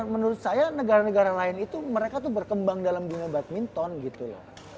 menurut saya negara negara lain itu mereka tuh berkembang dalam dunia badminton gitu loh